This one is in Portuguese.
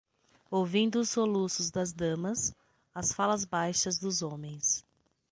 ouvindo os soluços das damas, as falas baixas dos homens